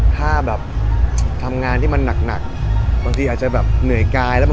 ถ้าทำงานที่มันนักมันอาจจะเหนื่อยกาย